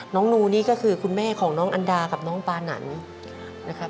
นูนี่ก็คือคุณแม่ของน้องอันดากับน้องปานันนะครับ